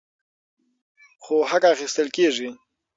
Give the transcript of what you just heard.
خو حق اخیستل کیږي.